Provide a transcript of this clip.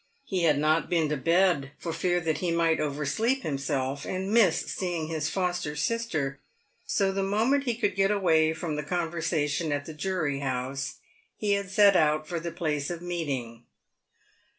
He had not been to bed for fear that he might oversleep himself, and miss seeing his foster sister ; so the moment he could get away from the conversation at the Jury house he had set out for the place of meeting.